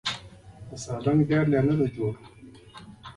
د سالنګ لار لا هم جوړه نه شوه.